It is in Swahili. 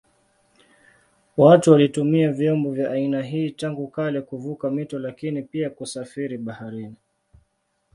Watu walitumia vyombo vya aina hii tangu kale kuvuka mito lakini pia kusafiri baharini.